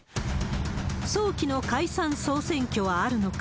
早期の解散・総選挙はあるのか。